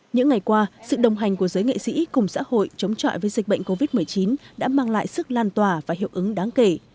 những ngày qua sự đồng hành của giới nghệ sĩ cùng xã hội chống chọi với dịch bệnh covid một mươi chín đã mang lại sức lan tỏa và hiệu ứng đáng kể